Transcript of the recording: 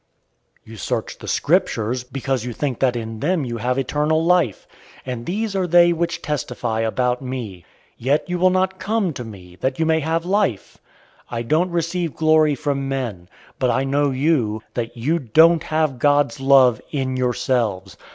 005:039 "You search the Scriptures, because you think that in them you have eternal life; and these are they which testify about me. 005:040 Yet you will not come to me, that you may have life. 005:041 I don't receive glory from men. 005:042 But I know you, that you don't have God's love in yourselves.